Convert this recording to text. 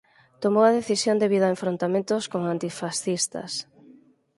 Tomou a decisión debido a enfrontamentos con antifascistas.